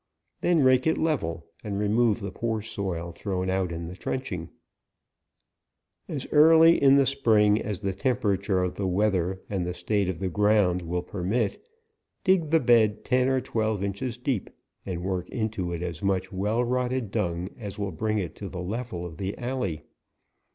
Then rake it level, and remove the poor soil thrown out in trenching. As early in the spring as the temperature of the weather, and the state of the ground will permit, dig the bed ten or twelve inches deep, and work into it as much well rotted dung as will bring it to the level of the alley.